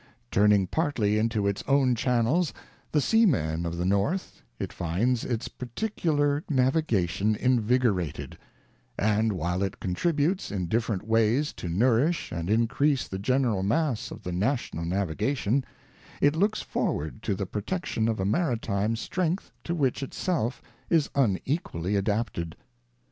Turning partly into its own channels the seamen of the North^ it finds its particular navigation envigorated ; ŌĆö and, while it contributes, in different ways, to nourish and increase the general mass of the national navigation, it looks forward to the protection of a maritime strength to which itself is unequally adapted.